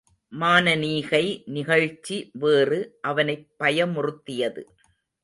மானனீகை நிகழ்ச்சி வேறு அவனைப் பயமுறுத்தியது.